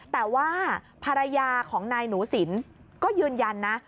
แต่ว่าภรรยาของนายหนูสินก็ยืนยันนะ